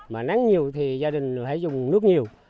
mà nắng nhiều thì gia đình hãy dùng nước nhiều